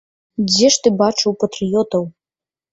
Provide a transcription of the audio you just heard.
Дзе ж ты бачыў патрыётаў?